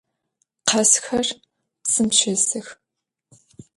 Khazxer psım şêsıx.